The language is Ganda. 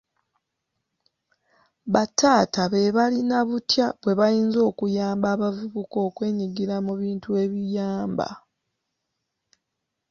Bataata beebalina butya bwe bayinza okuyamaba abavubuka okwenyigira mu bintu ebiyamba.